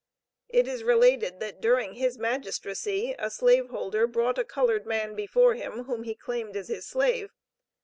It is related that during his magistracy a slave holder brought a colored man before him, whom he claimed as his slave.